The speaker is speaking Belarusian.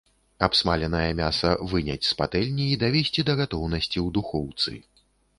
Абсмаленае мяса выняць з патэльні і давесці да гатоўнасці ў духоўцы.